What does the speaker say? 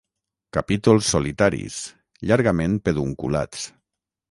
Capítols solitaris, llargament pedunculats.